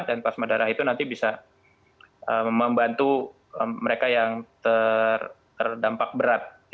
dan plasma darah itu nanti bisa membantu mereka yang terdampak berat